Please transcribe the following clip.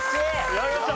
やりました。